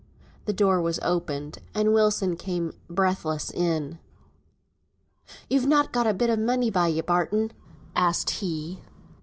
The door was opened, and Wilson came breathless in. "You've not got a bit o' money by you, Barton?" asked he.